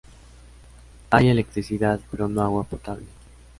Hay electricidad pero no agua potable.